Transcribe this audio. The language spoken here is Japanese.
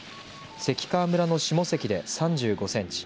関川村の下関で３５センチ